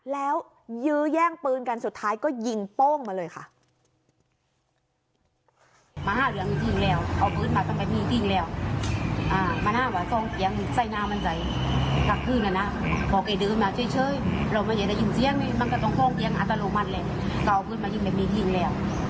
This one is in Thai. แล้วยื้อแย่งปืนกันสุดท้ายก็ยิงโป้งมาเลยค่ะ